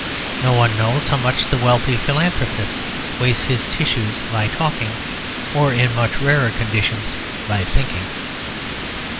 No one knows how much the wealthy philanthropist wastes his tissues by talking; or, in much rarer conditions, by thinking.